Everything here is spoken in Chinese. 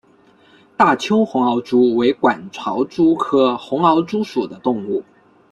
大邱红螯蛛为管巢蛛科红螯蛛属的动物。